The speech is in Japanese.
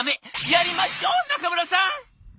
やりましょう中村さん！」。